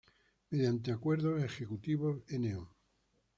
Mediante acuerdo Ejecutivo No.